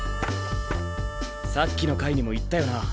さっきの回にも言ったよな？